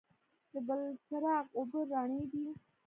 د بلچراغ اوبه رڼې دي